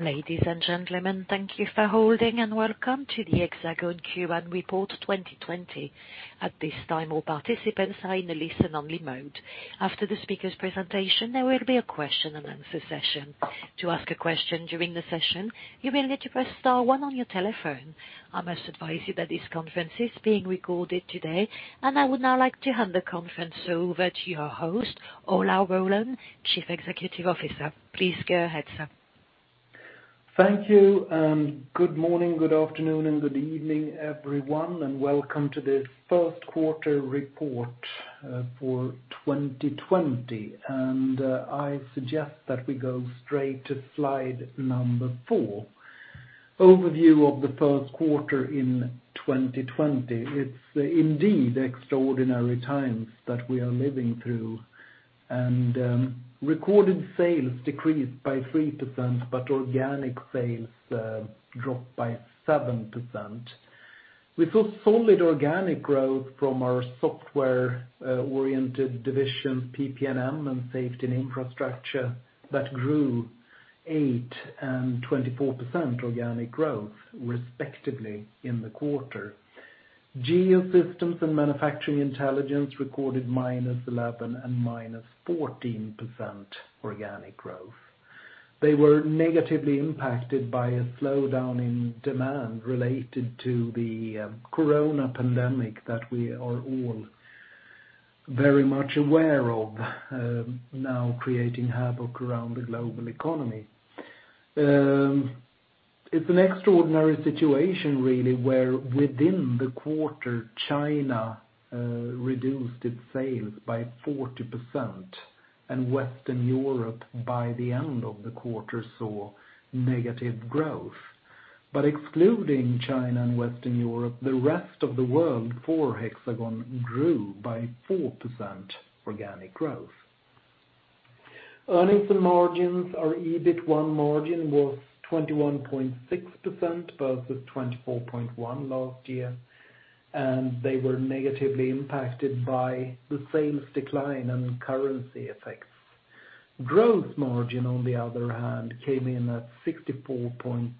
Ladies and gentlemen, thank you for holding and welcome to the Hexagon Q1 report 2020. At this time, all participants are in a listen-only mode. After the speaker's presentation, there will be a question and answer session. To ask a question during the session, you will need to press star one on your telephone. I must advise you that this conference is being recorded today, and I would now like to hand the conference over to your host, Ola Rollén, Chief Executive Officer. Please go ahead, sir. Thank you, and good morning, good afternoon, and good evening, everyone, and welcome to the first quarter report for 2020. I suggest that we go straight to slide number four, overview of the first quarter in 2020. It's indeed extraordinary times that we are living through. Recorded sales decreased by 3%, but organic sales dropped by 7%. We saw solid organic growth from our software-oriented divisions, PPM and Safety & Infrastructure, that grew 8% and 24% organic growth, respectively, in the quarter. Geosystems and Manufacturing Intelligence recorded -11% and -14% organic growth. They were negatively impacted by a slowdown in demand related to the corona pandemic that we are all very much aware of now, creating havoc around the global economy. It's an extraordinary situation, really, where within the quarter, China reduced its sales by 40%, and Western Europe, by the end of the quarter, saw negative growth. Excluding China and Western Europe, the rest of the world for Hexagon grew by 4% organic growth. Earnings and margins, our EBIT1 margin was 21.6%, versus 24.1% last year, and they were negatively impacted by the sales decline and currency effects. Gross margin, on the other hand, came in at 64.2%,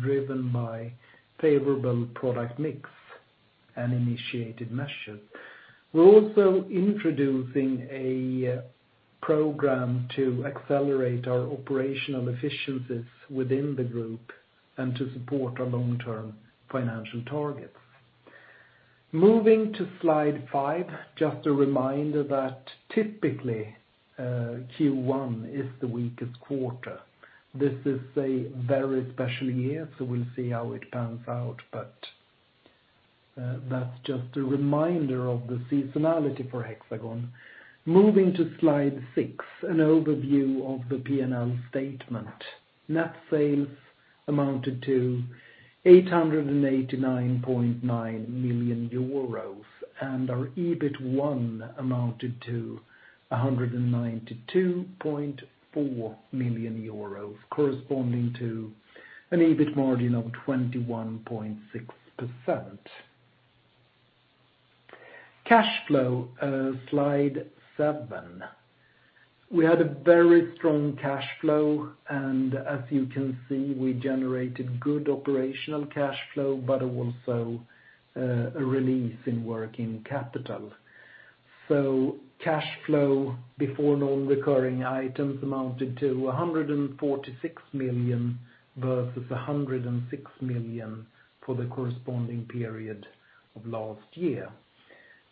driven by favorable product mix and initiated measures. We're also introducing a program to accelerate our operational efficiencies within the group and to support our long-term financial targets. Moving to slide five, just a reminder that typically, Q1 is the weakest quarter. This is a very special year, so we'll see how it pans out, but that's just a reminder of the seasonality for Hexagon. Moving to slide six, an overview of the P&L statement. Net sales amounted to 889.9 million euros, and our EBIT1 amounted to 192.4 million euros, corresponding to an EBIT margin of 21.6%. Cash flow, slide seven. We had a very strong cash flow, and as you can see, we generated good operational cash flow, but also a release in working capital. Cash flow before non-recurring items amounted to 146 million, versus 106 million for the corresponding period of last year.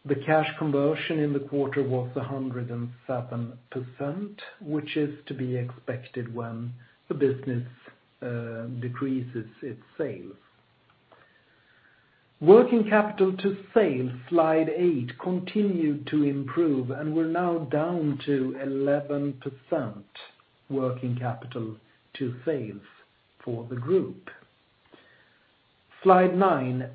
The cash conversion in the quarter was 107%, which is to be expected when the business decreases its sales. Working capital to sales, slide eight, continued to improve and we're now down to 11% working capital to sales for the group. Slide nine,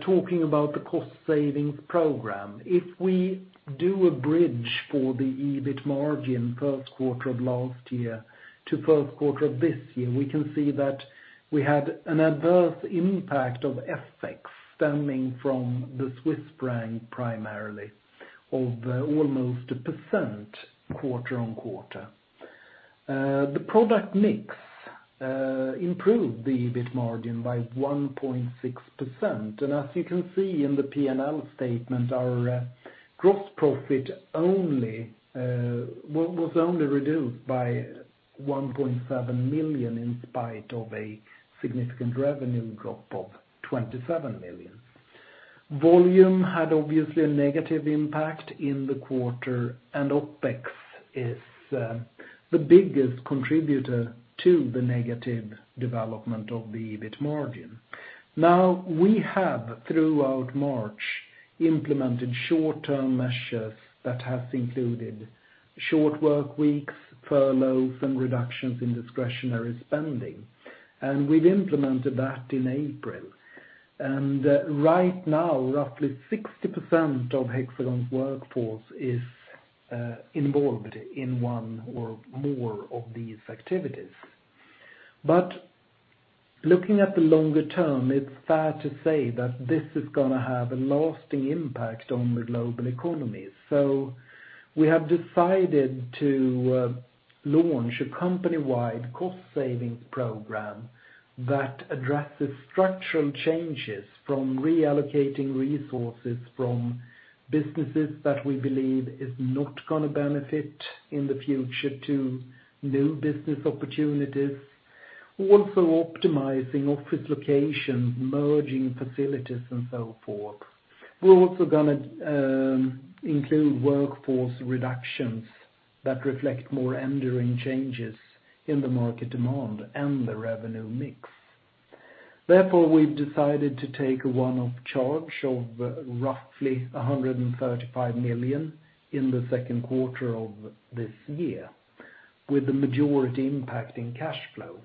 talking about the cost savings program. If we do a bridge for the EBIT margin first quarter of last year to first quarter of this year, we can see that we had an adverse impact of FX stemming from the Swiss franc, primarily, of almost 1% quarter-on-quarter. The product mix improved the EBIT margin by 1.6%. As you can see in the P&L statement, our gross profit was only reduced by 1.7 million in spite of a significant revenue drop of 27 million. Volume had obviously a negative impact in the quarter, and OpEx is the biggest contributor to the negative development of the EBIT margin. Now, we have, throughout March, implemented short-term measures that have included short work weeks, furloughs, and reductions in discretionary spending. We've implemented that in April. Right now, roughly 60% of Hexagon's workforce is involved in one or more of these activities. Looking at the longer term, it's fair to say that this is going to have a lasting impact on the global economy. We have decided to launch a company-wide cost savings program that addresses structural changes from reallocating resources from businesses that we believe is not going to benefit in the future to new business opportunities. Also optimizing office locations, merging facilities, and so forth. We're also going to include workforce reductions that reflect more enduring changes in the market demand and the revenue mix. Therefore, we've decided to take a one-off charge of roughly 135 million in the second quarter of this year, with the majority impact in cash flow.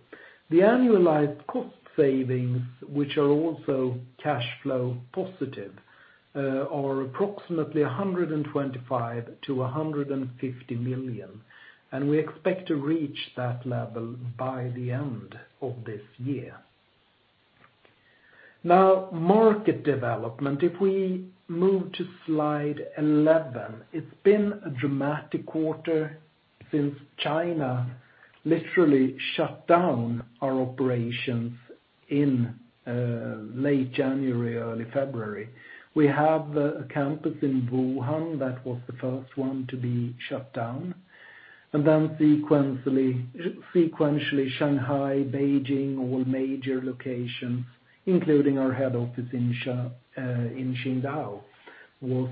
The annualized cost savings, which are also cash flow positive, are approximately 125 million-150 million, and we expect to reach that level by the end of this year. Market development. If we move to slide 11, it's been a dramatic quarter since China literally shut down our operations in late January, early February. We have a campus in Wuhan that was the first one to be shut down, and then sequentially, Shanghai, Beijing, all major locations, including our head office in Qingdao, was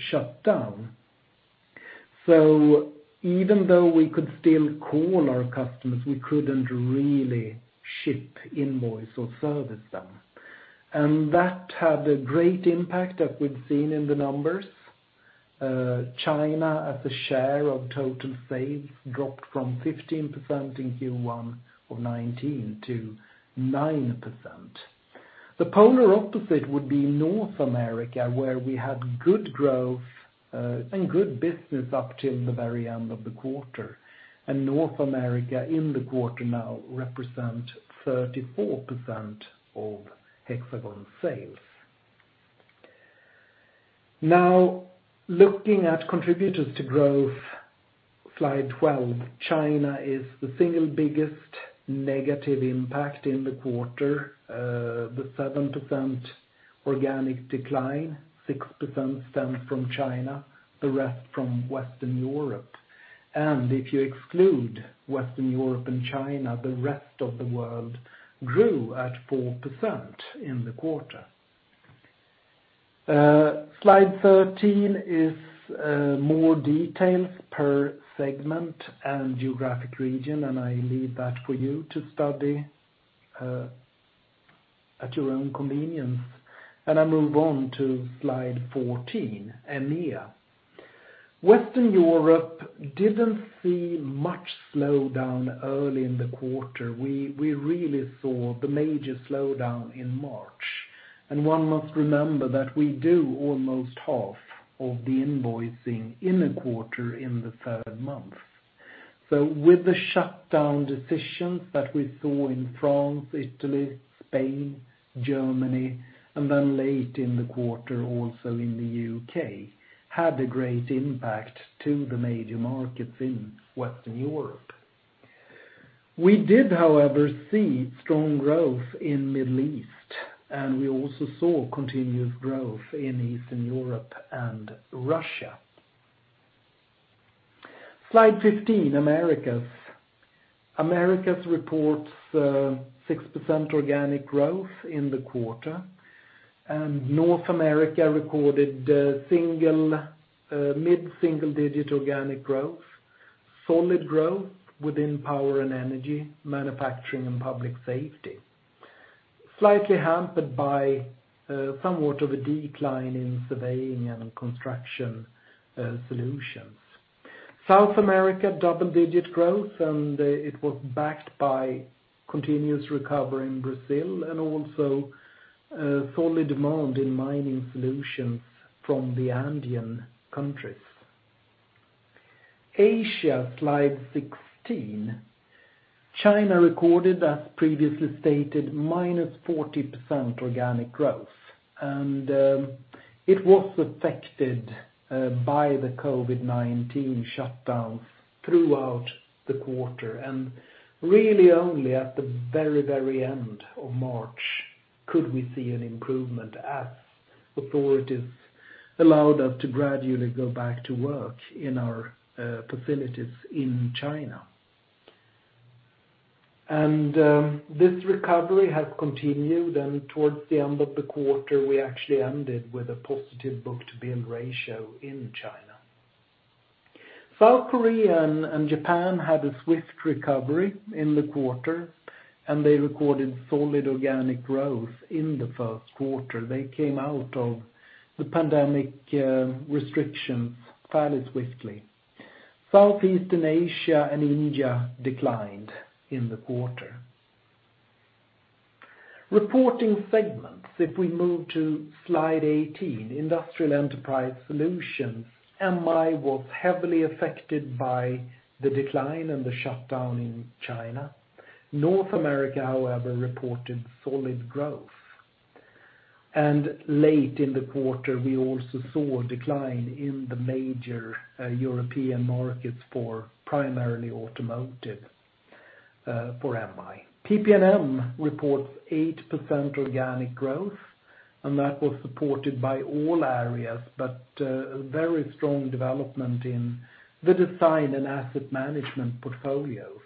shut down. Even though we could still call our customers, we couldn't really ship invoice or service them. That had a great impact that we've seen in the numbers. China as a share of total sales dropped from 15% in Q1 of 2019 to 9%. The polar opposite would be North America, where we had good growth and good business up till the very end of the quarter, and North America in the quarter now represent 34% of Hexagon sales. Looking at contributors to growth, slide 12. China is the single biggest negative impact in the quarter. The 7% organic decline, 6% stemmed from China, the rest from Western Europe. If you exclude Western Europe and China, the rest of the world grew at 4% in the quarter. Slide 13 is more details per segment and geographic region, and I leave that for you to study at your own convenience, and I move on to slide 14, EMEA. Western Europe didn't see much slowdown early in the quarter. We really saw the major slowdown in March, and one must remember that we do almost half of the invoicing in a quarter in the third month. With the shutdown decisions that we saw in France, Italy, Spain, Germany, and then late in the quarter also in the U.K., had a great impact to the major markets in Western Europe. We did, however, see strong growth in Middle East, and we also saw continuous growth in Eastern Europe and Russia. Slide 15, Americas. Americas reports 6% organic growth in the quarter, and North America recorded mid-single-digit organic growth, solid growth within power and energy, manufacturing and public safety. Slightly hampered by somewhat of a decline in surveying and construction solutions. South America, double-digit growth, and it was backed by continuous recovery in Brazil and also solid demand in mining solutions from the Andean countries. Asia, slide 16. China recorded, as previously stated, -40% organic growth, and it was affected by the COVID-19 shutdown throughout the quarter, and really only at the very end of March could we see an improvement as authorities allowed us to gradually go back to work in our facilities in China. This recovery has continued, and towards the end of the quarter, we actually ended with a positive book-to-bill ratio in China. South Korea and Japan had a swift recovery in the quarter, and they recorded solid organic growth in the first quarter. They came out of the pandemic restrictions fairly swiftly. Southeastern Asia and India declined in the quarter. Reporting segments. If we move to slide 18, Industrial Enterprise Solutions, MI was heavily affected by the decline and the shutdown in China. North America, however, reported solid growth. Late in the quarter, we also saw a decline in the major European markets for primarily automotive for MI. PPM reports 8% organic growth, and that was supported by all areas, but a very strong development in the design and asset management portfolios.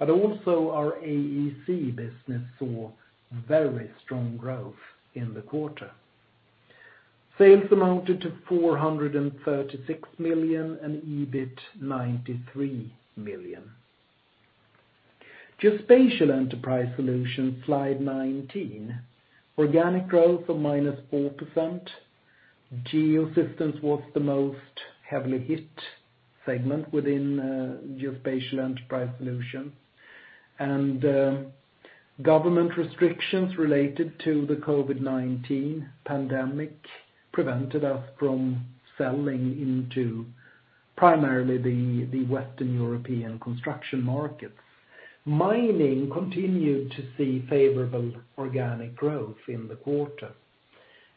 Also our AEC business saw very strong growth in the quarter. Sales amounted to 436 million and EBIT 93 million. Geospatial Enterprise Solutions, slide 19. Organic growth of -4%. Geosystems was the most heavily hit segment within Geospatial Enterprise Solutions. Government restrictions related to the COVID-19 pandemic prevented us from selling into primarily the Western European construction markets. Mining continued to see favorable organic growth in the quarter.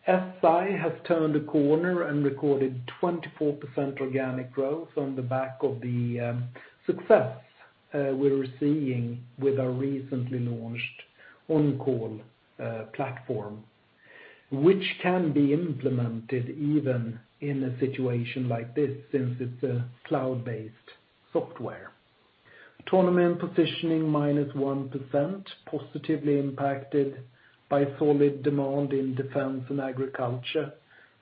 SI has turned a corner and recorded 24% organic growth on the back of the success we're seeing with our recently launched OnCall platform, which can be implemented even in a situation like this, since it's a cloud-based software. Autonomy & Positioning, -1%, positively impacted by solid demand in defense and agriculture,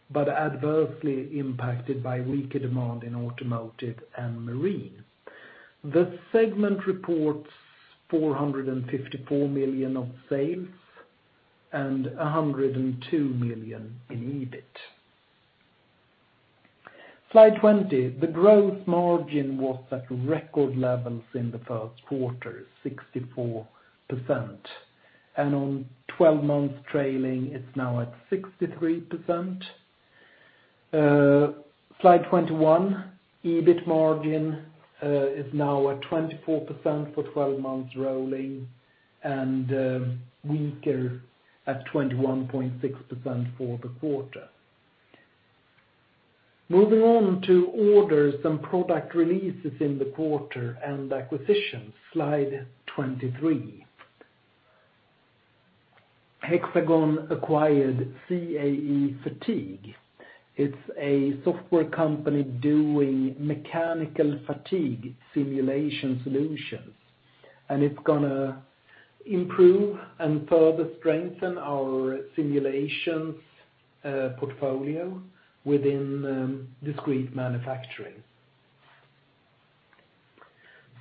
but adversely impacted by weaker demand in automotive and marine. The segment reports 454 million of sales and 102 million in EBIT. Slide 20. The growth margin was at record levels in the first quarter, 64%. On 12 months trailing, it's now at 63%. Slide 21, EBIT margin is now at 24% for 12 months rolling and weaker at 21.6% for the quarter. Moving on to orders and product releases in the quarter and acquisitions. Slide 23. Hexagon acquired CAEfatigue. It's a software company doing mechanical fatigue simulation solutions, and it's going to improve and further strengthen our simulations portfolio within discrete manufacturing.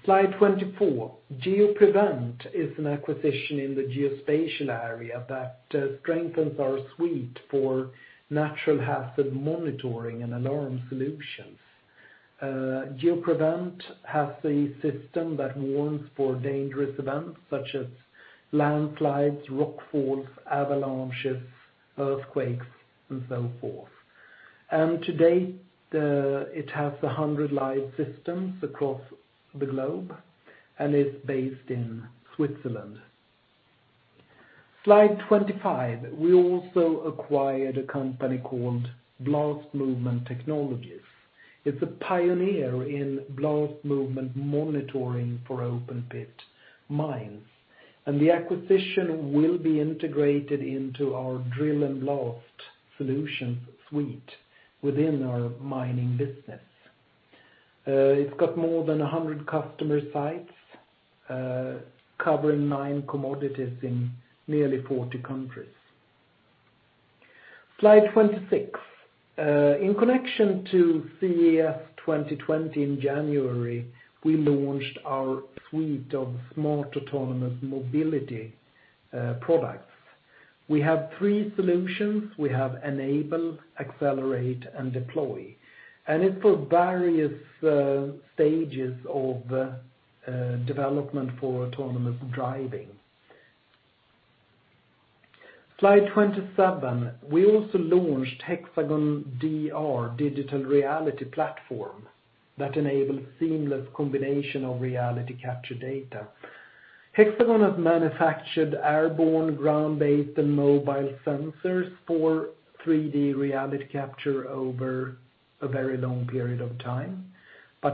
Slide 24. Geopraevent is an acquisition in the geospatial area that strengthens our suite for natural hazard monitoring and alarm solutions. Geopraevent has a system that warns for dangerous events such as landslides, rock falls, avalanches, earthquakes, and so forth. To date, it has 100 live systems across the globe and is based in Switzerland. Slide 25. We also acquired a company called Blast Movement Technologies. It's a pioneer in blast movement monitoring for open-pit mines, and the acquisition will be integrated into our drill and blast solutions suite within our mining business. It's got more than 100 customer sites, covering nine commodities in nearly 40 countries. Slide 26. In connection to CES 2020 in January, we launched our suite of smart autonomous mobility products. We have three solutions. We have Enable, Accelerate, and Deploy, and it's for various stages of development for autonomous driving. Slide 27. We also launched HxDR, digital reality platform that enables seamless combination of reality capture data. Hexagon has manufactured airborne, ground-based, and mobile sensors for 3D reality capture over a very long period of time.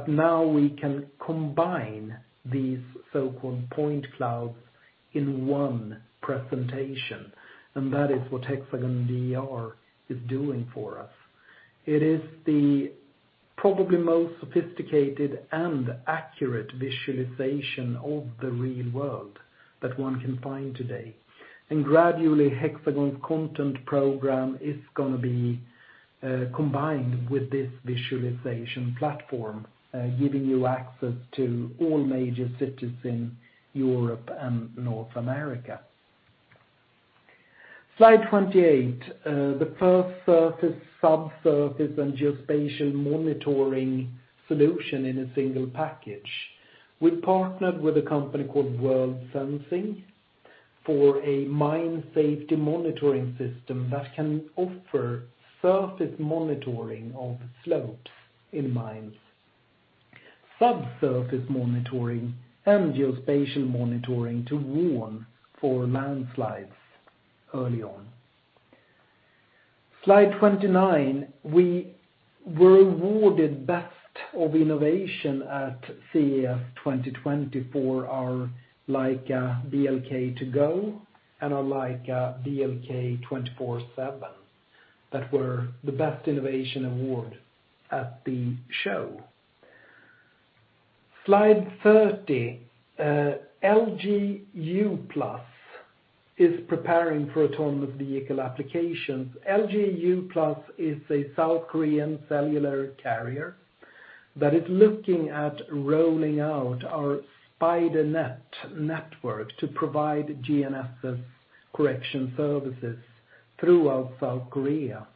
Now we can combine these so-called point clouds in one presentation, and that is what HxDR is doing for us. It is the probably most sophisticated and accurate visualization of the real world that one can find today. Gradually, Hexagon's content program is going to be combined with this visualization platform, giving you access to all major cities in Europe and North America. Slide 28. The first surface, sub-surface, and geospatial monitoring solution in a single package. We partnered with a company called Worldsensing for a mine safety monitoring system that can offer surface monitoring of slopes in mines, sub-surface monitoring, and geospatial monitoring to warn for landslides early on. Slide 29. We were awarded Best of Innovation at CES 2020 for our Leica BLK2GO and our Leica BLK247 that were the Best Innovation Award at the show. Slide 30. LG U+ is preparing for autonomous vehicle applications. LG U+ is a South Korean cellular carrier that is looking at rolling out our Spidernet network to provide GNSS correction services throughout South Korea.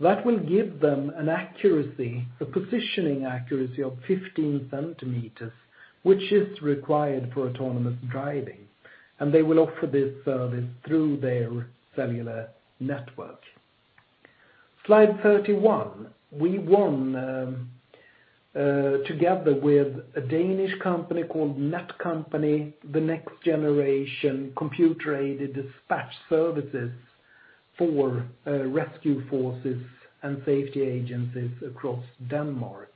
That will give them a positioning accuracy of 15 cm, which is required for autonomous driving, and they will offer this service through their cellular network. Slide 31. We won, together with a Danish company called Netcompany, the next generation computer-aided dispatch services for rescue forces and safety agencies across Denmark.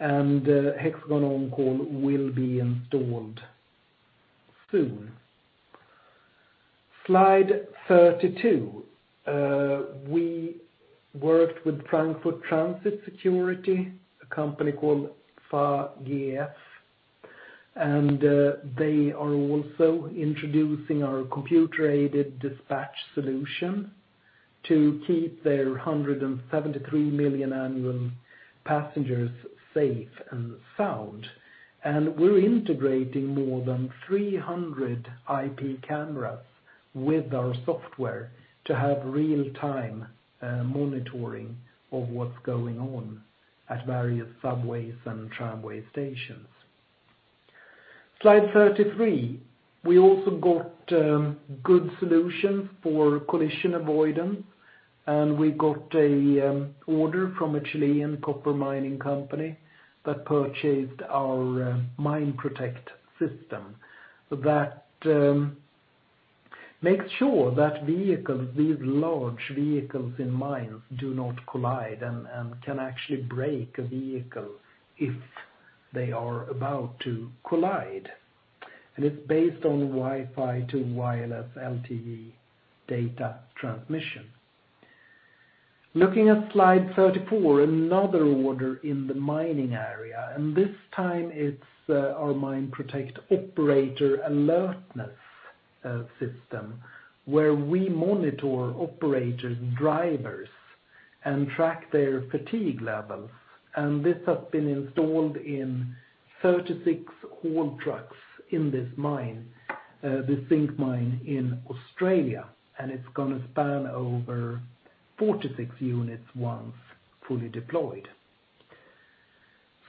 HxGN OnCall will be installed soon. Slide 32. We worked with Frankfurt Transit Security, a company called VGF, and they are also introducing our computer-aided dispatch solution to keep their 173 million annual passengers safe and sound. We're integrating more than 300 IP cameras with our software to have real-time monitoring of what's going on at various subways and tramway stations. Slide 33. We also got good solutions for collision avoidance. We got a order from a Chilean copper mining company that purchased our MineProtect system that makes sure that these large vehicles in mines do not collide and can actually brake a vehicle if they are about to collide. It is based on Wi-Fi to wireless LTE data transmission. Looking at slide 34, another order in the mining area, this time it is our MineProtect Operator Alertness System, where we monitor operator drivers and track their fatigue levels. This has been installed in 36 haul trucks in this zinc mine in Australia, and it is going to span over 46 units once fully deployed.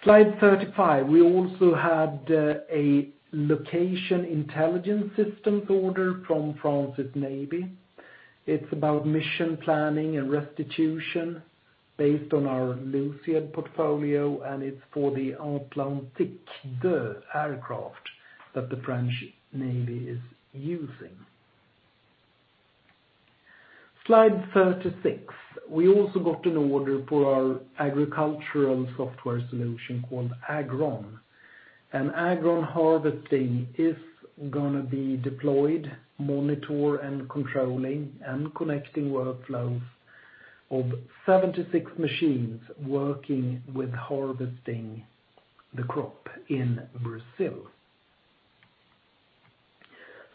Slide 35. We also had a location intelligence systems order from France's Navy. It is about mission planning and restitution based on our Luciad portfolio, and it is for the Atlantique aircraft that the French Navy is using. Slide 36. We also got an order for our agricultural software solution called AgrOn. AgrOn harvesting is going to be deployed, monitor and controlling, and connecting workflows of 76 machines working with harvesting the crop in Brazil.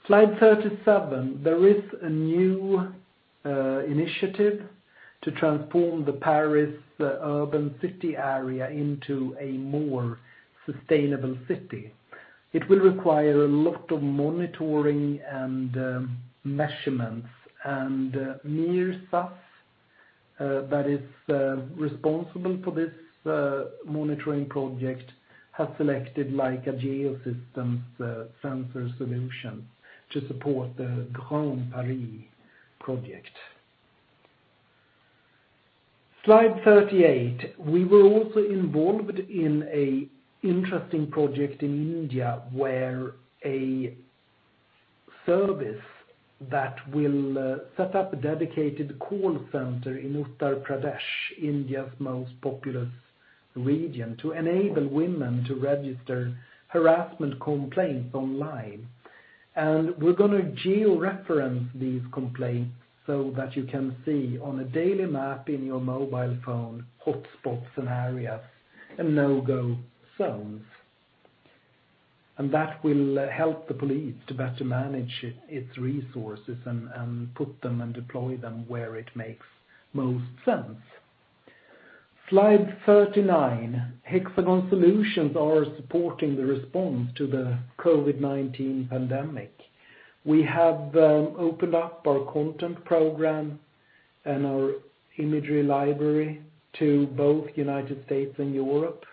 Slide 37. There is a new initiative to transform the Paris urban city area into a more sustainable city. It will require a lot of monitoring and measurements, and Mirsas, that is responsible for this monitoring project, has selected Leica Geosystems sensor solution to support the Grand Paris project. Slide 38. We were also involved in a interesting project in India, where a service that will set up a dedicated call center in Uttar Pradesh, India's most populous region, to enable women to register harassment complaints online. We're going to geo-reference these complaints so that you can see on a daily map in your mobile phone hotspots and areas and no-go zones. That will help the police to better manage its resources and put them and deploy them where it makes most sense. Slide 39. Hexagon solutions are supporting the response to the COVID-19 pandemic. We have opened up our content program and our imagery library to both U.S. and Europe,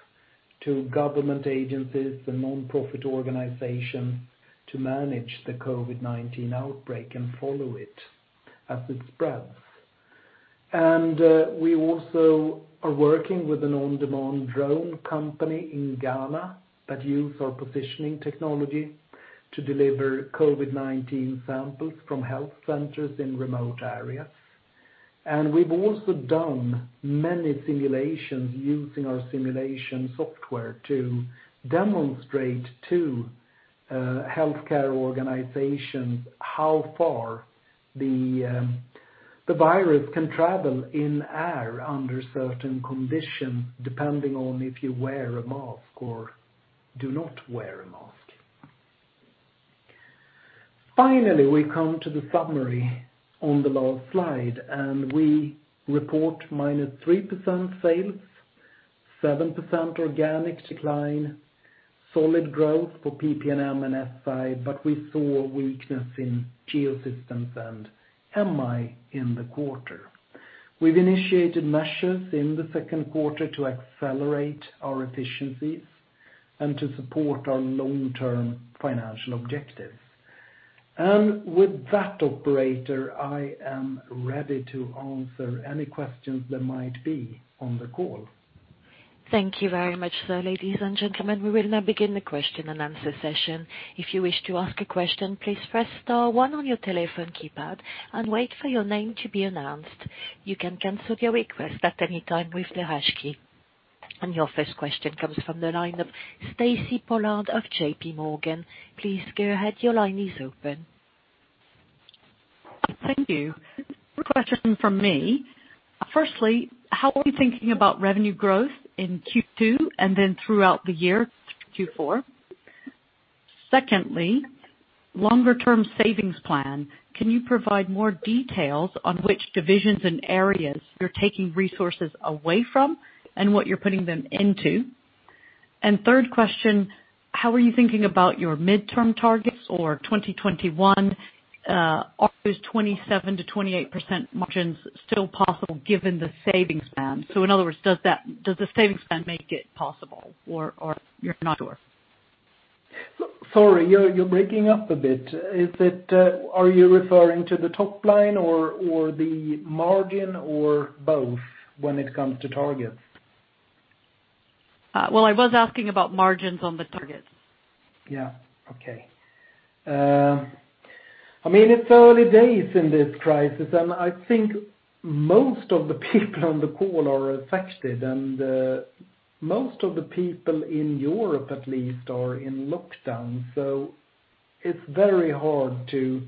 to government agencies and non-profit organizations to manage the COVID-19 outbreak and follow it as it spreads. We also are working with an on-demand drone company in Ghana that use our positioning technology to deliver COVID-19 samples from health centers in remote areas. We've also done many simulations using our simulation software to demonstrate to healthcare organizations how far the virus can travel in air under certain conditions, depending on if you wear a mask or do not wear a mask. Finally, we come to the summary on the last slide, and we report -3% sales, 7% organic decline, solid growth for PPM and SI, but we saw weakness in Geosystems and MI in the quarter. We've initiated measures in the second quarter to accelerate our efficiencies and to support our long-term financial objectives. With that operator, I am ready to answer any questions there might be on the call. Thank you very much, sir. Ladies and gentlemen, we will now begin the question and answer session. If you wish to ask a question, please press star one on your telephone keypad and wait for your name to be announced. You can cancel your request at any time with the hash key. Your first question comes from the line of Stacy Pollard of JPMorgan. Please go ahead. Your line is open. Thank you. A question from me. Firstly, how are we thinking about revenue growth in Q2 and then throughout the year to Q4? Secondly, longer term savings plan. Can you provide more details on which divisions and areas you're taking resources away from and what you're putting them into? Third question, how are you thinking about your midterm targets or 2021? Are those 27%-28% margins still possible given the savings plan? In other words, does the savings plan make it possible or you're not sure? Sorry, you're breaking up a bit. Are you referring to the top line or the margin or both when it comes to targets? Well, I was asking about margins on the targets. Yeah. Okay. It's early days in this crisis, and I think most of the people on the call are affected, and most of the people in Europe, at least, are in lockdown. It's very hard to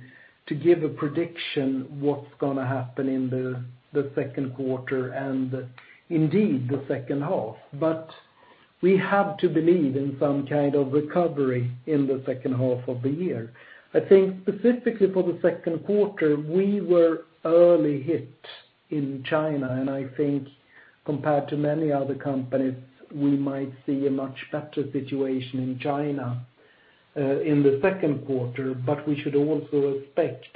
give a prediction what's going to happen in the second quarter and indeed the second half. We have to believe in some kind of recovery in the second half of the year. I think specifically for the second quarter, we were early hit in China, and I think compared to many other companies, we might see a much better situation in China, in the second quarter, we should also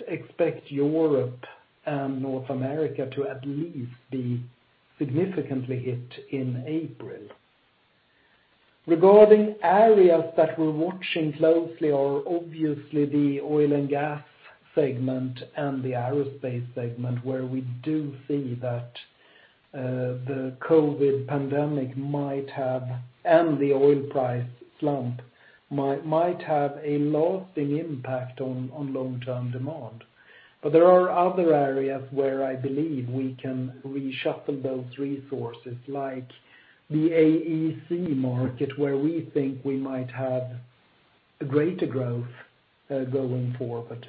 expect Europe and North America to at least be significantly hit in April. Regarding areas that we're watching closely are obviously the oil and gas segment and the aerospace segment, where we do see that the COVID-19 pandemic and the oil price slump might have a lasting impact on long-term demand. There are other areas where I believe we can reshuffle those resources, like the AEC market, where we think we might have a greater growth going forward.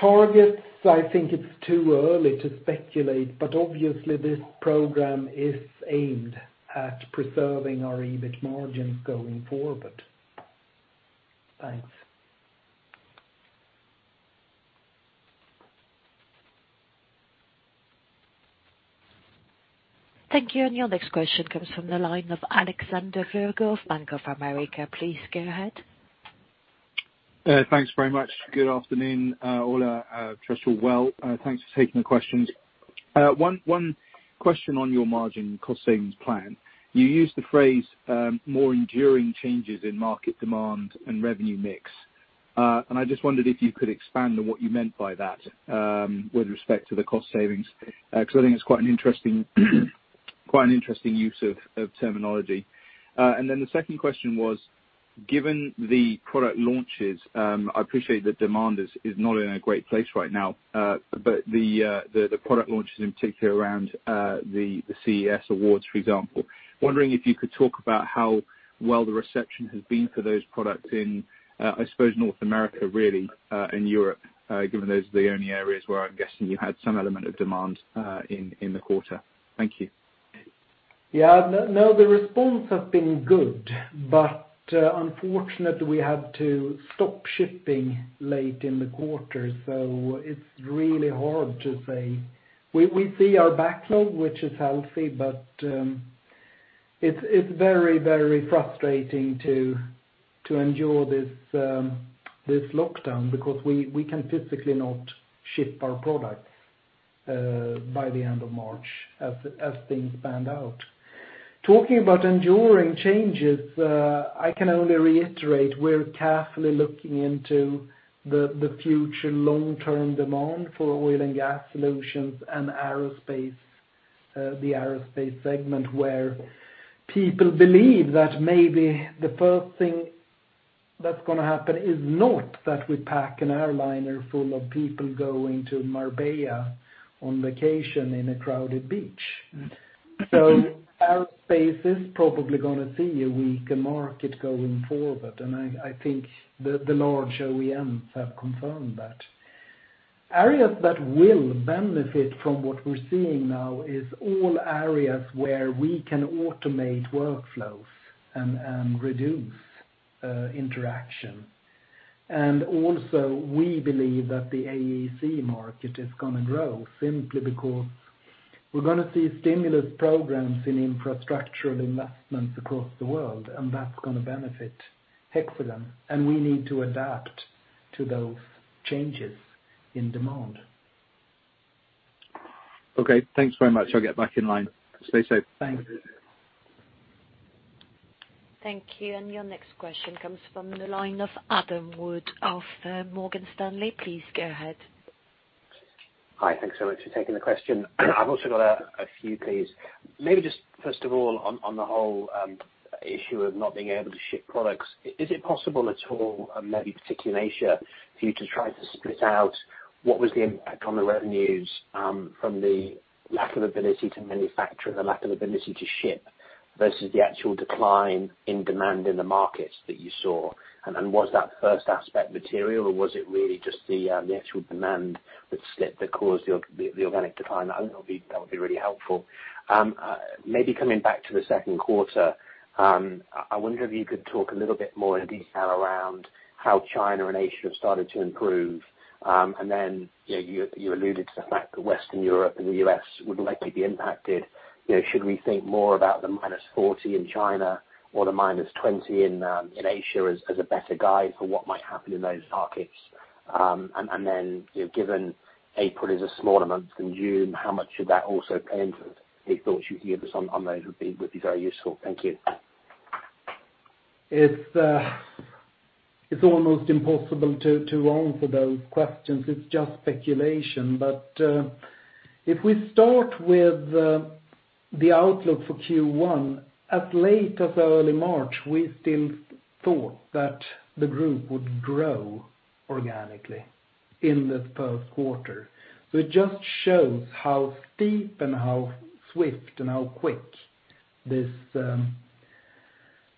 Targets, I think it's too early to speculate, but obviously this program is aimed at preserving our EBIT margins going forward. Thanks. Thank you. Your next question comes from the line of Alexander Virgo, Bank of America. Please go ahead. Thanks very much. Good afternoon, Ola. I trust you're well. Thanks for taking the questions. One question on your margin cost savings plan. You used the phrase, more enduring changes in market demand and revenue mix. I just wondered if you could expand on what you meant by that, with respect to the cost savings, because I think it's quite an interesting use of terminology. The second question was, given the product launches, I appreciate that demand is not in a great place right now, but the product launches in particular around the CES awards, for example, wondering if you could talk about how well the reception has been for those products in, I suppose North America, really, and Europe, given those are the only areas where I'm guessing you had some element of demand in the quarter. Thank you. Yeah. No, the response has been good. Unfortunately, we had to stop shipping late in the quarter, it's really hard to say. We see our backlog, which is healthy, but it's very frustrating to endure this lockdown because we can physically not ship our products by the end of March as things panned out. Talking about enduring changes, I can only reiterate, we're carefully looking into the future long-term demand for oil and gas solutions and the aerospace segment, where people believe that maybe the first thing that's going to happen is not that we pack an airliner full of people going to Marbella on vacation in a crowded beach. Aerospace is probably going to see a weaker market going forward, and I think the large OEMs have confirmed that. Areas that will benefit from what we're seeing now is all areas where we can automate workflows and reduce interaction. Also, we believe that the AEC market is going to grow simply because we're going to see stimulus programs in infrastructural investments across the world, and that's going to benefit Hexagon, and we need to adapt to those changes in demand. Okay, thanks very much. I'll get back in line. Stay safe. Thanks. Thank you. Your next question comes from the line of Adam Wood of Morgan Stanley. Please go ahead. Hi. Thanks so much for taking the question. I've also got a few, please. Maybe just first of all on the whole issue of not being able to ship products, is it possible at all, maybe particularly in Asia, for you to try to split out what was the impact on the revenues from the lack of ability to manufacture, the lack of ability to ship versus the actual decline in demand in the markets that you saw, and was that first aspect material, or was it really just the actual demand that slipped that caused the organic decline? I think that would be really helpful. Maybe coming back to the second quarter, I wonder if you could talk a little bit more in detail around how China and Asia have started to improve. You alluded to the fact that Western Europe and the U.S. would likely be impacted. Should we think more about the -40 in China or the -20 in Asia as a better guide for what might happen in those markets? Given April is a smaller month than June, how much should that also enter any thoughts you can give us on those would be very useful? Thank you. It's almost impossible to answer those questions. It's just speculation. If we start with the outlook for Q1, as late as early March, we still thought that the group would grow organically in this first quarter, which just shows how steep and how swift and how quick this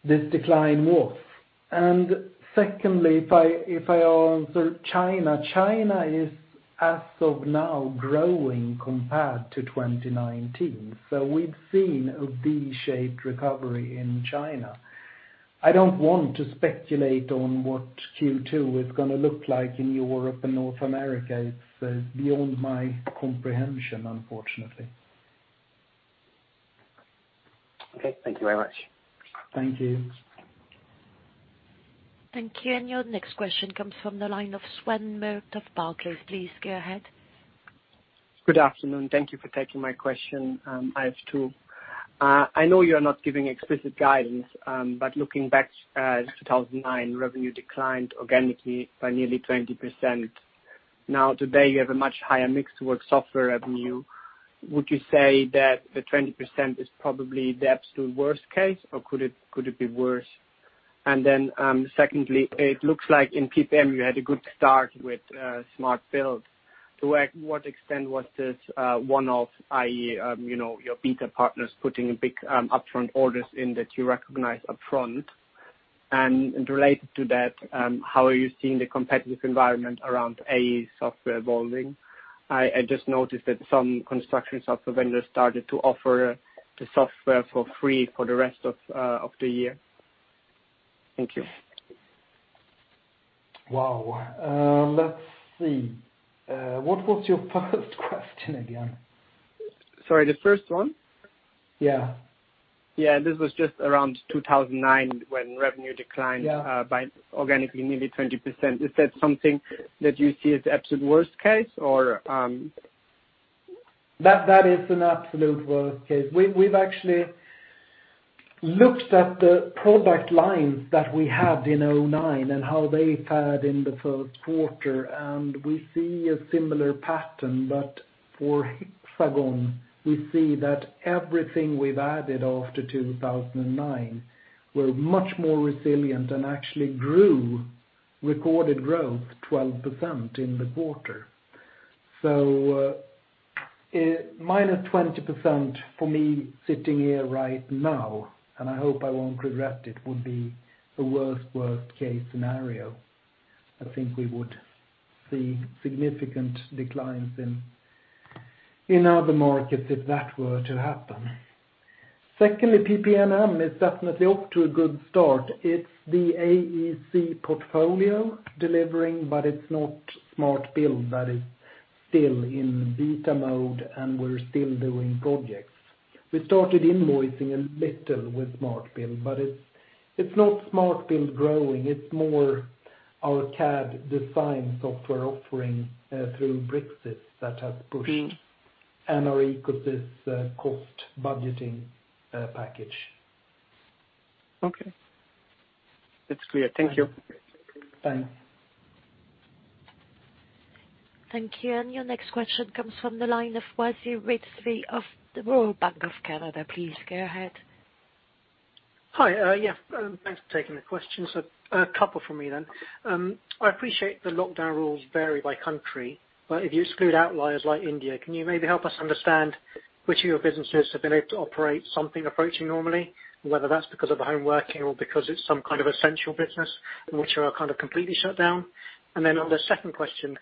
decline was. Secondly, if I answer China is as of now growing compared to 2019. We've seen a V-shaped recovery in China. I don't want to speculate on what Q2 is going to look like in Europe and North America. It's beyond my comprehension, unfortunately. Okay. Thank you very much. Thank you. Thank you. Your next question comes from the line of Sven Merkt of Barclays. Please go ahead. Good afternoon. Thank you for taking my question. I have two. I know you're not giving explicit guidance, looking back at 2009, revenue declined organically by nearly 20%. Today, you have a much higher mixed work software revenue. Would you say that the 20% is probably the absolute worst case, or could it be worse? Secondly, it looks like in PPM, you had a good start with Smart Build. To what extent was this one-off, i.e., your beta partners putting big upfront orders in that you recognize upfront? Related to that, how are you seeing the competitive environment around AEC software evolving? I just noticed that some construction software vendors started to offer the software for free for the rest of the year. Thank you. Wow. Let's see. What was your first question again? Sorry. The first one? Yeah. Yeah, this was just around 2009 when revenue declined. Yeah by organically nearly 20%. Is that something that you see as the absolute worst case or? That is an absolute worst case. We've actually looked at the product lines that we had in 2009 and how they fared in the first quarter, and we see a similar pattern. For Hexagon, we see that everything we've added after 2009 were much more resilient and actually grew, recorded growth 12% in the quarter. -20% for me sitting here right now, and I hope I won't regret it, would be the worst case scenario. I think we would see significant declines in other markets if that were to happen. Secondly, PPM is definitely off to a good start. It's the AEC portfolio delivering, but it's not Smart Build that is still in beta mode, and we're still doing projects. We started invoicing a little with Smart Build, but it's not Smart Build growing. It's more our CAD design software offering through Bricsys that has pushed and our ecosystem cost budgeting package. Okay. It's clear. Thank you. Thanks. Thank you. Your next question comes from the line of Wasi Rizvi of the Royal Bank of Canada. Please go ahead. Hi. Yeah, thanks for taking the question. A couple from me then. I appreciate the lockdown rules vary by country, but if you exclude outliers like India, can you maybe help us understand which of your businesses have been able to operate something approaching normally? Whether that's because of the home working or because it's some kind of essential business, and which are kind of completely shut down. On the second question,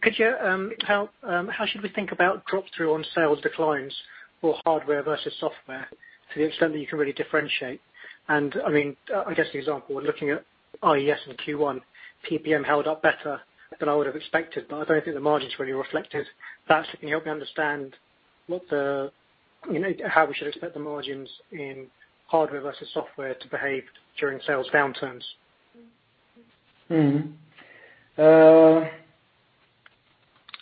how should we think about drop-through on sales declines for hardware versus software to the extent that you can really differentiate? I guess the example when looking at IES in Q1, PPM held up better than I would have expected, but I don't think the margins really reflected that. Can you help me understand how we should expect the margins in hardware versus software to behave during sales downturns?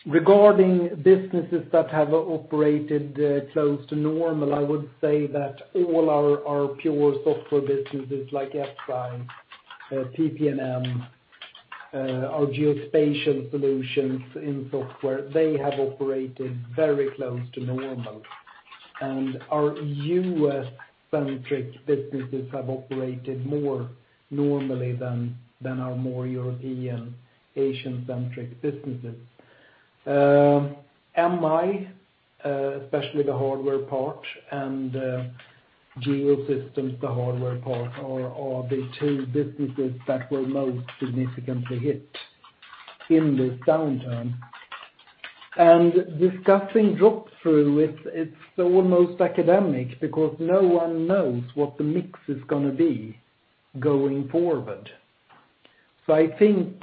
Regarding businesses that have operated close to normal, I would say that all our pure software businesses like SI, PPM, our geospatial solutions in software, they have operated very close to normal. Our U.S.-centric businesses have operated more normally than our more European, Asian-centric businesses. MI, especially the hardware part, and Geosystems, the hardware part, are the two businesses that were most significantly hit in this downturn. Discussing drop-through, it's almost academic because no one knows what the mix is going to be going forward. I think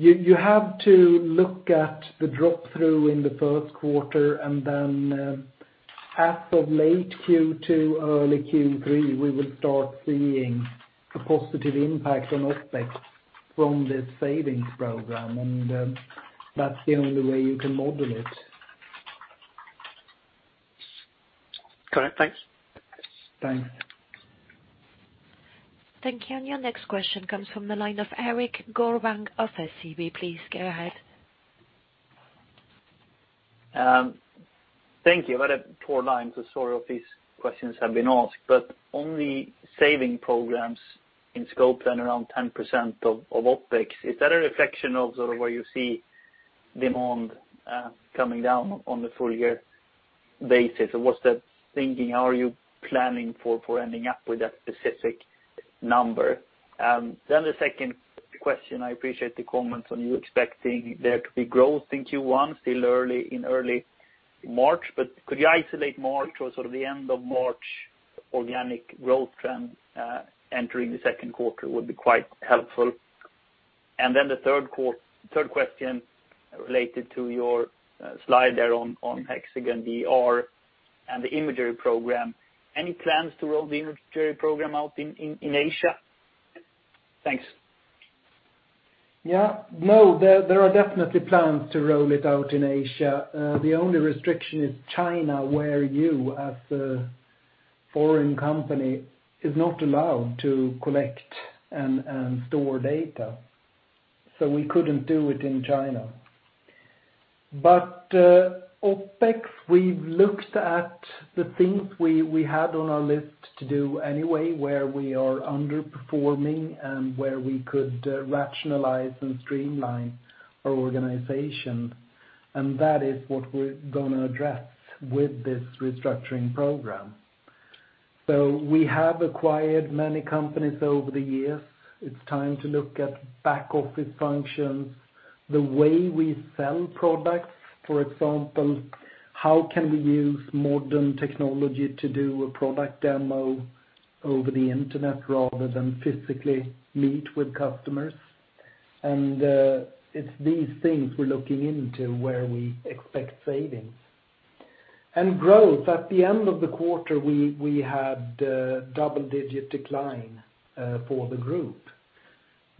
you have to look at the drop-through in the first quarter, then as of late Q2, early Q3, we will start seeing a positive impact on OpEx from this savings program, and that's the only way you can model it. Correct. Thanks. Thanks. Thank you. Your next question comes from the line of Erik Golrang of SEB. Please go ahead. Thank you. I've had a poor line, so sorry if these questions have been asked. Only saving programs in scope then around 10% of OpEx. Is that a reflection of sort of where you see demand coming down on the full-year basis? What's the thinking? How are you planning for ending up with that specific number? The second question, I appreciate the comments on you expecting there to be growth in Q1, still in early March. Could you isolate March or sort of the end of March organic growth trend entering the second quarter would be quite helpful. The third question related to your slide there on HxDR and the imagery program. Any plans to roll the imagery program out in Asia? Thanks. Yeah. No, there are definitely plans to roll it out in Asia. The only restriction is China, where you as a foreign company is not allowed to collect and store data. We couldn't do it in China. OpEx, we've looked at the things we had on our list to do anyway, where we are underperforming and where we could rationalize and streamline our organization. That is what we're going to address with this restructuring program. We have acquired many companies over the years. It's time to look at back office functions, the way we sell products, for example, how can we use modern technology to do a product demo over the internet rather than physically meet with customers? It's these things we're looking into where we expect savings. Growth, at the end of the quarter, we had double-digit decline for the group.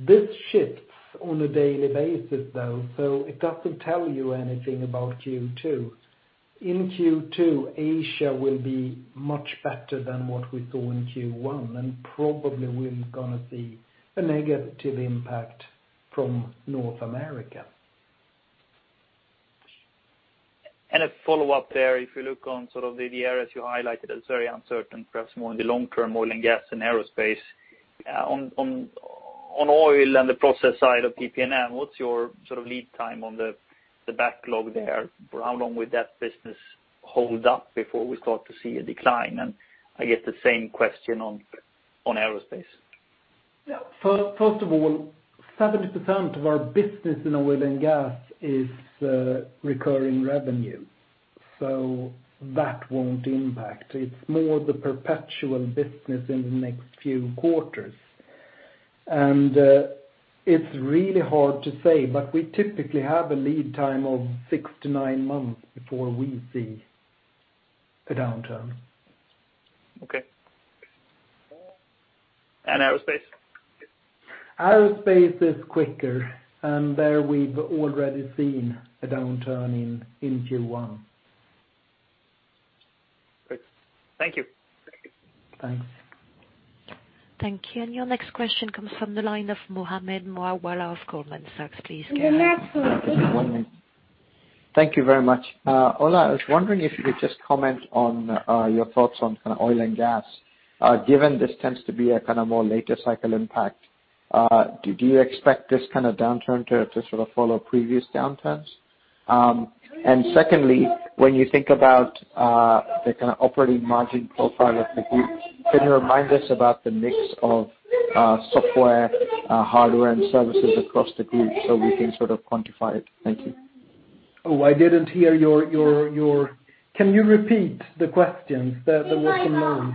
This shifts on a daily basis, though. It doesn't tell you anything about Q2. In Q2, Asia will be much better than what we saw in Q1, and probably we're going to see a negative impact from North America. A follow-up there. If you look on sort of the areas you highlighted as very uncertain, perhaps more in the long term, oil and gas and aerospace. On oil and the process side of PPM, what's your sort of lead time on the backlog there? How long would that business hold up before we start to see a decline? I guess the same question on aerospace. Yeah. First of all, 70% of our business in oil and gas is recurring revenue. That won't impact. It's more the perpetual business in the next few quarters. It's really hard to say, but we typically have a lead time of six to nine months before we see a downturn. Okay. Aerospace? Aerospace is quicker. There we've already seen a downturn in Q1. Great. Thank you. Thanks. Thank you. And your next question comes from the line of Mohammed Moawalla of Goldman Sachs. Please go ahead. Thank you very much. Ola, I was wondering if you could just comment on your thoughts on oil and gas, given this tends to be a more later cycle impact. Do you expect this kind of downturn to follow previous downturns? Secondly, when you think about the operating margin profile of the group, can you remind us about the mix of software, hardware, and services across the group so we can quantify it? Thank you. Can you repeat the questions? There was some noise.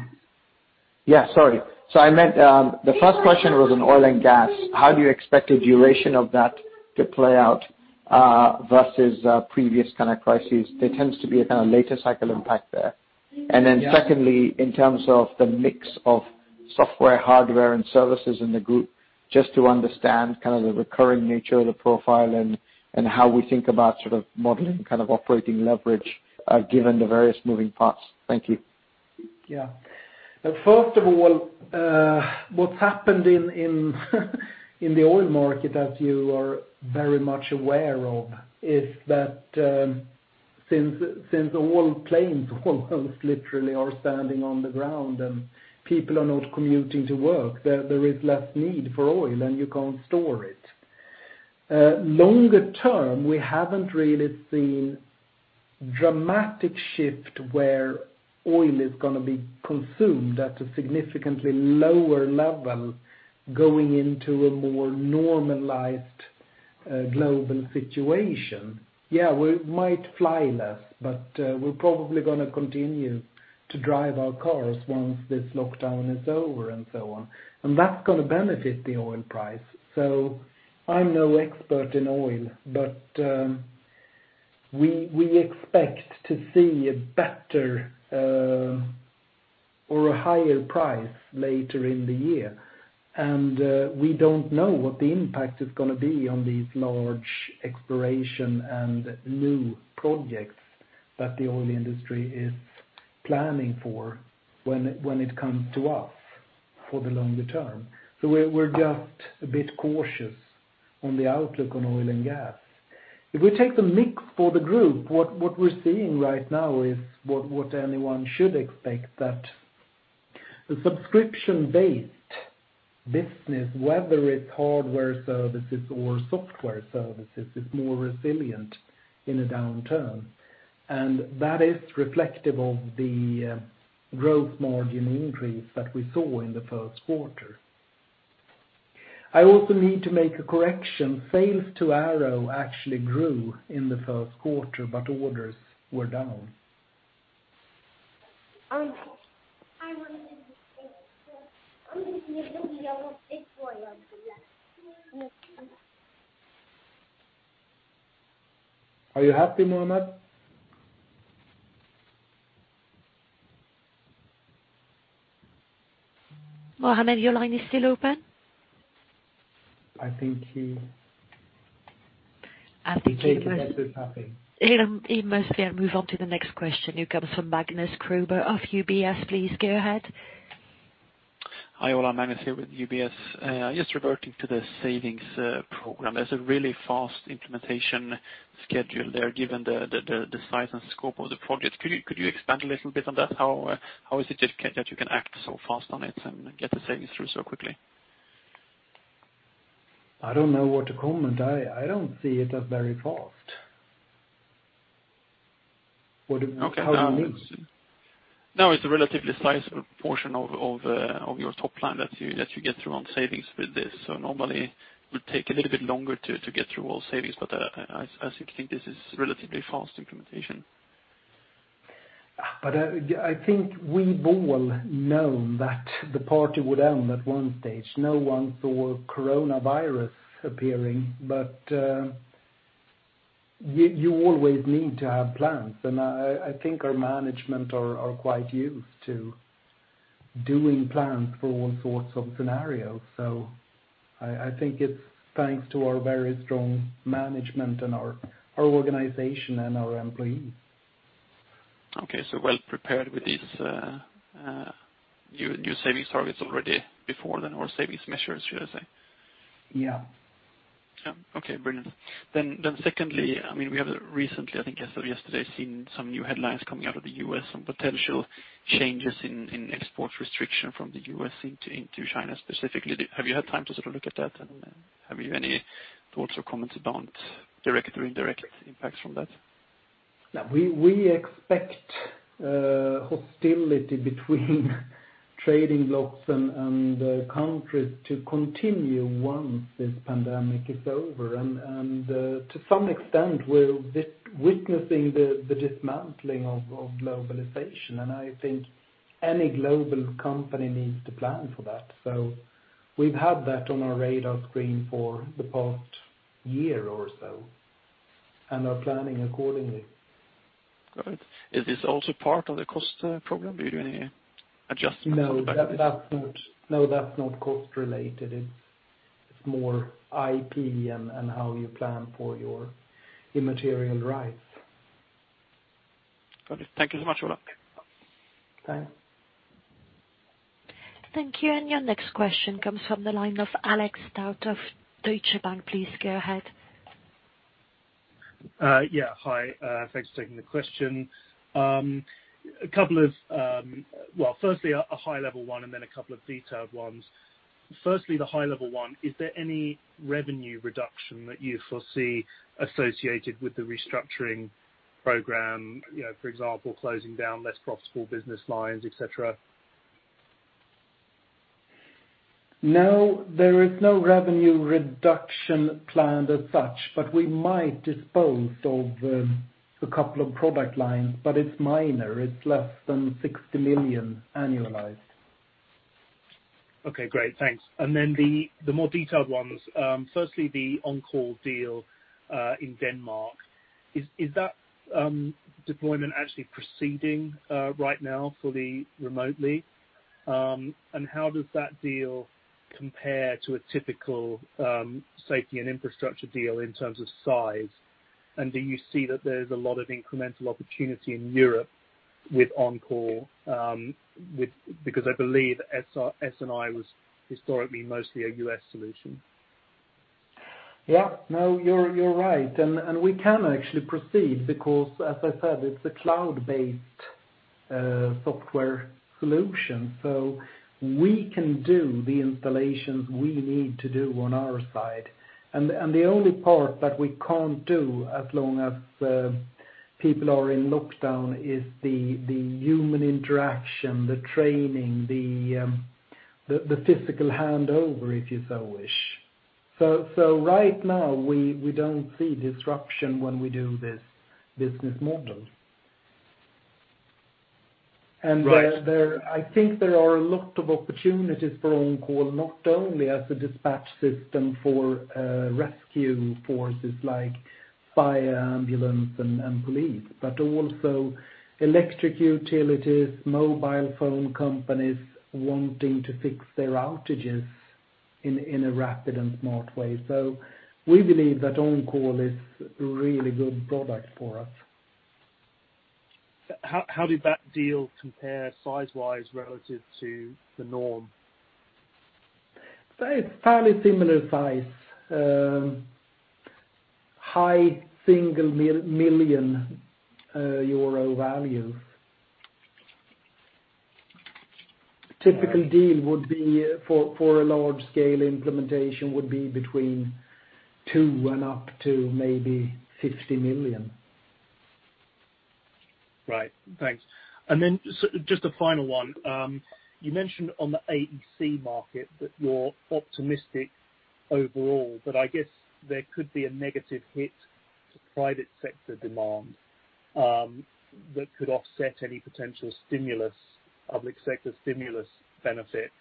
Yeah, sorry. I meant, the first question was on oil and gas. How do you expect the duration of that to play out, versus previous kind of crises? There tends to be a later cycle impact there. Yeah. Secondly, in terms of the mix of software, hardware, and services in the group, just to understand the recurring nature of the profile and how we think about modeling operating leverage, given the various moving parts. Thank you. Yeah. First of all, what's happened in the oil market, as you are very much aware of, is that since all planes almost literally are standing on the ground and people are not commuting to work, there is less need for oil and you can't store it. Longer term, we haven't really seen dramatic shift where oil is going to be consumed at a significantly lower level going into a more normalized global situation. Yeah, we might fly less, but we're probably going to continue to drive our cars once this lockdown is over, and so on. That's going to benefit the oil price. I'm no expert in oil, but we expect to see a better or a higher price later in the year. We don't know what the impact is going to be on these large exploration and new projects that the oil industry is planning for when it comes to us for the longer term. We're just a bit cautious on the outlook on oil and gas. If we take the mix for the group, what we're seeing right now is what anyone should expect, that the subscription-based business, whether it's hardware services or software services, is more resilient in a downturn. That is reflective of the growth margin increase that we saw in the first quarter. I also need to make a correction. Sales to Aero actually grew in the first quarter, but orders were down. Are you happy, Mohammed? Mohammed, your line is still open? I think. I think. I think he's happy. He must be. I'll move on to the next question, who comes from Magnus Kruber of UBS. Please go ahead. Hi, Ola. Magnus here with UBS. Just reverting to the savings program. There's a really fast implementation schedule there given the size and scope of the project. Could you expand a little bit on that? How is it that you can act so fast on it and get the savings through so quickly? I don't know what to comment. I don't see it as very fast. How you mean? It's a relatively sized portion of your top line that you get through on savings with this. Normally, it would take a little bit longer to get through all savings. I actually think this is relatively fast implementation. I think we've all known that the party would end at one stage. No one saw coronavirus appearing. You always need to have plans. I think our management are quite used to doing plans for all sorts of scenarios. I think it's thanks to our very strong management and our organization and our employees. Okay, well-prepared with these new savings targets already before then, or savings measures, should I say. Yeah. Okay, brilliant. Secondly, we have recently, I think as of yesterday, seen some new headlines coming out of the U.S., some potential changes in export restriction from the U.S. into China specifically. Have you any thoughts or comments about direct or indirect impacts from that? We expect hostility between trading blocks and countries to continue once this pandemic is over. To some extent, we're witnessing the dismantling of globalization, and I think any global company needs to plan for that. We've had that on our radar screen for the past year or so and are planning accordingly. Got it. Is this also part of the cost program? Are you doing any adjustments for that? No, that's not cost-related. It's more IP and how you plan for your immaterial rights. Got it. Thank you so much, Ola. Thanks. Thank you. Your next question comes from the line of Alex Tout of Deutsche Bank. Please go ahead. Yeah. Hi. Thanks for taking the question. Well, firstly, a high level one and then a couple of detailed ones. Firstly, the high level one, is there any revenue reduction that you foresee associated with the restructuring program, for example, closing down less profitable business lines, et cetera? No, there is no revenue reduction planned as such, but we might dispose of a couple of product lines, but it's minor. It's less than 60 million annualized. Okay, great. Thanks. Then the more detailed ones. Firstly, the OnCall deal, in Denmark. Is that deployment actually proceeding, right now fully remotely? How does that deal compare to a typical Safety & Infrastructure deal in terms of size? Do you see that there's a lot of incremental opportunity in Europe with OnCall? Because I believe SI was historically mostly a U.S. solution. Yeah. No, you're right. We can actually proceed because, as I said, it's a cloud-based software solution. We can do the installations we need to do on our side. The only part that we can't do as long as people are in lockdown is the human interaction, the training, the physical handover, if you so wish. Right now, we don't see disruption when we do this business model. Right. I think there are a lot of opportunities for OnCall, not only as a dispatch system for rescue forces like fire, ambulance, and police, but also electric utilities, mobile phone companies wanting to fix their outages in a rapid and smart way. We believe that OnCall is a really good product for us. How did that deal compare size-wise relative to the norm? Say it's fairly similar size. High single million euro value. Right. Typical deal for a large-scale implementation would be between two and up to maybe 50 million. Right. Thanks. Then just a final one. You mentioned on the AEC market that you're optimistic overall, but I guess there could be a negative hit to private sector demand that could offset any potential public sector stimulus benefit.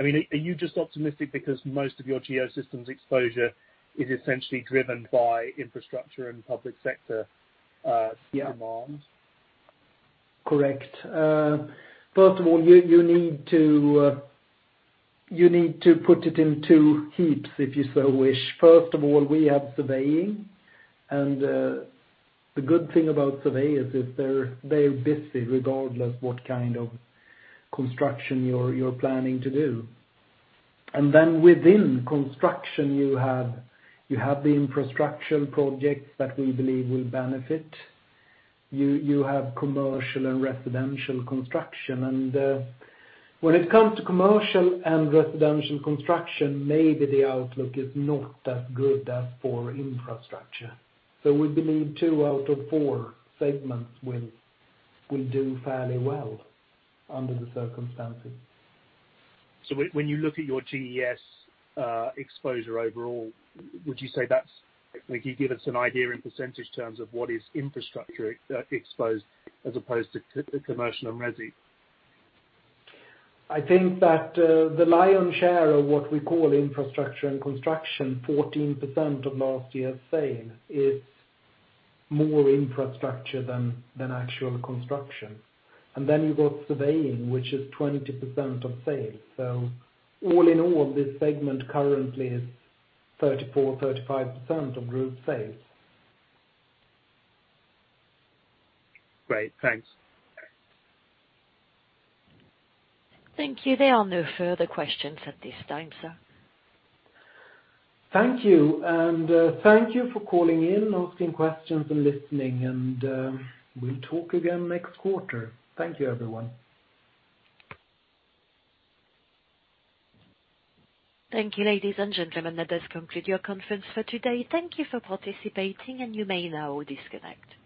Are you just optimistic because most of your Geosystems exposure is essentially driven by infrastructure and public sector demands? Correct. First of all, you need to put it in two heaps, if you so wish. First of all, we have surveying, and the good thing about surveyors is they're very busy, regardless what kind of construction you're planning to do. Then within construction, you have the infrastructure projects that we believe will benefit. You have commercial and residential construction. When it comes to commercial and residential construction, maybe the outlook is not as good as for infrastructure. We believe two out of four segments will do fairly well under the circumstances. When you look at your GES exposure overall, can you give us an idea in percentage terms of what is infrastructure exposed as opposed to commercial and resi? I think that the lion's share of what we call infrastructure and construction, 14% of last year's sale, is more infrastructure than actual construction. You've got surveying, which is 20% of sales. All in all, this segment currently is 34%, 35% of group sales. Great. Thanks. Thank you. There are no further questions at this time, sir. Thank you. Thank you for calling in, asking questions, and listening. We'll talk again next quarter. Thank you, everyone. Thank you, ladies and gentlemen. That does conclude your conference for today. Thank you for participating, and you may now disconnect.